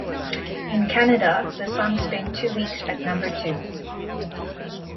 In Canada, the song spent two weeks at number two.